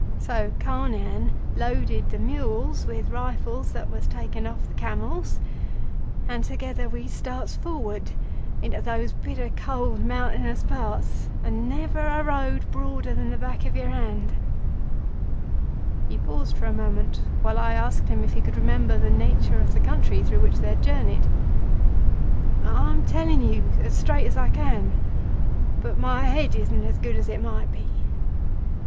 So Carnehan loaded the mules with the rifles that was taken off the camels, and together we starts forward into those bitter cold mountainous parts, and never a road broader than the back of your hand." He paused for a moment, while I asked him if he could remember the nature of the country through which he had journeyed. "I am telling you as straight as I can, but my head isn't as good as it might be.